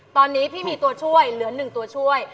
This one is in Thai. ตอนนี้พี่มีตัวช่วยเหลือ๑ตัวช่วย